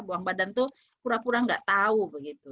buang badan itu pura pura nggak tahu begitu